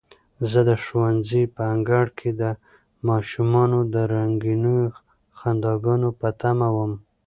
زه د ښوونځي په انګړ کې د ماشومانو د رنګینو خنداګانو په تمه وم.